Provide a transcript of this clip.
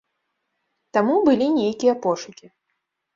Таму былі нейкія пошукі.